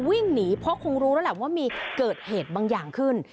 วิ่งหนีเพราะคงรู้แล้วแหละว่ามีเกิดเหตุบางอย่างขึ้น